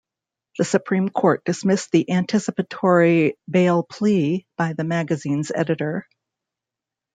The Supreme Court dismissed the anticipatory bail plea by the magazine's editor.